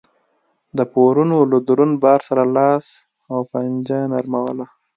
د پورونو له دروند بار سره لاس و پنجه نرموله